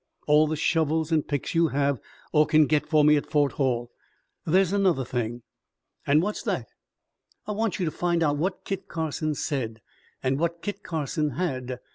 All the shovels and picks you have or can get for me at Fort Hall. There's another thing." "An' what is that?" "I want you to find out what Kit Carson said and what Kit Carson had.